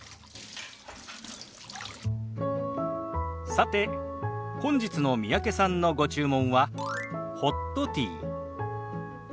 さて本日の三宅さんのご注文はホットティー。